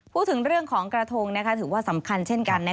พูดถึงเรื่องของกระทงถือว่าสำคัญเช่นกัน